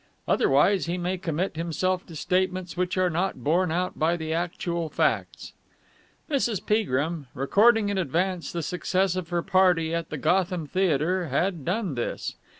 Otherwise he may commit himself to statements which are not borne out by the actual facts. Mrs. Peagrim, recording in advance the success of her party at the Gotham Theatre, had done this.